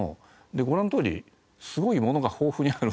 でご覧のとおりすごい物が豊富にある。